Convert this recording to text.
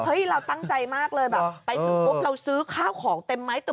เห้ยเราตั้งใจมากเลยแบบไปพวกเราซื้อข้าวของเต็มมั้ย